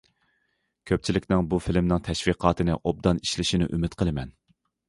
كۆپچىلىكنىڭ بۇ فىلىمنىڭ تەشۋىقاتىنى ئوبدان ئىشلىشىنى ئۈمىد قىلىمەن.